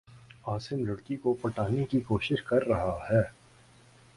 عاصم لڑ کی کو پٹانے کی کو شش کر رہا ہے